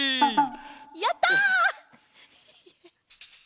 やった！